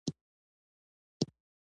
مچمچۍ د ژوند درس راکوي